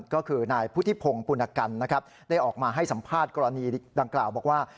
ก็คือนายพุทธิพงศ์ปุณกันนะครับได้ออกมาให้สัมภาษณ์กรณีดังกล่าวบอกว่า